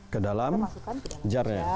ke dalam jar